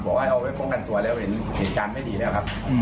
เอาไว้ป้องกันตัวแล้วเห็นเหตุการณ์ไม่ดีแล้วครับ